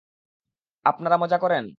আপনারা মজা করেন।